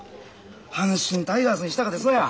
阪神タイガースにしたかてそや。